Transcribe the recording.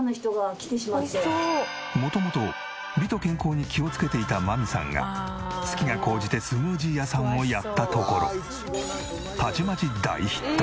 元々美と健康に気をつけていた真実さんが好きが高じてスムージー屋さんをやったところたちまち大ヒット！